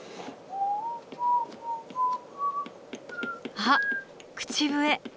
あっ口笛。